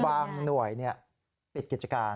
หน่วยปิดกิจการ